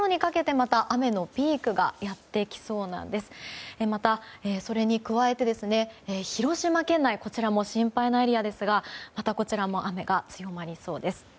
また、それに加えて広島県内も心配なエリアですがこちらも雨が強まりそうです。